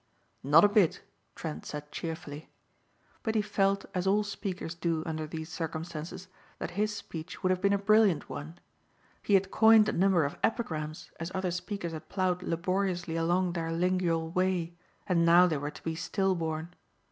"Not a bit," Trent said cheerfully. But he felt as all speakers do under these circumstances that his speech would have been a brilliant one. He had coined a number of epigrams as other speakers had plowed laboriously along their lingual way and now they were to be still born.